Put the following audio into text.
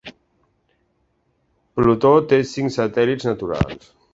Plutó té cinc satèl·lits naturals.